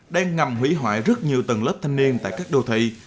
đang nằm hủy hoại rất nhiều tầng lớp thanh niên tại các đô thị